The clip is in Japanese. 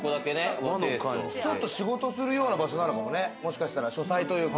ちょっと仕事するような場所なのかもね、書斎というか。